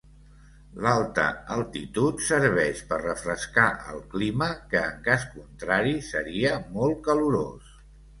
L'alta altitud serveix per refrescar el clima que, en cas contrari, seria molt calorós.